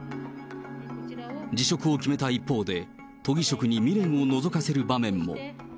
辞職を決めた一方で、都議職に未練をのぞかせる場面も。